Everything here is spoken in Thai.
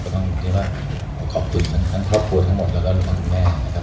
ต้องเรียกว่าขอบคุณทั้งครอบครัวทั้งหมดแล้วก็ทั้งคุณแม่นะครับ